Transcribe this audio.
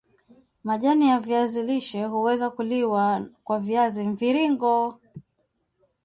Majani ya viazi lishe huweza kuliwa kwa viazi mviringo